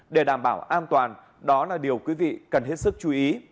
để đảm bảo an toàn đó là điều quý vị cần hết sức chú ý